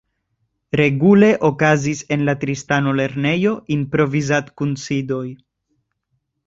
Regule okazis en la Tristano-Lernejo improvizad-kunsidoj.